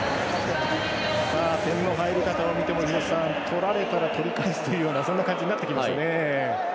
点の入り方を見ても取られたら取り返すというようなそんな感じになってきましたね。